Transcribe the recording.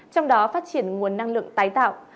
trong đó phát triển nguồn năng lượng tái tạo